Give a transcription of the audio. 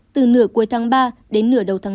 từ nửa cuối tháng ba đến nửa đầu tháng năm